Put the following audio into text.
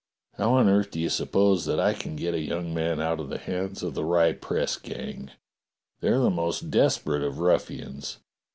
How on earth do you suppose that I can get a young man out of the hands of the Rye press gang? They're the most desperate of ruffians.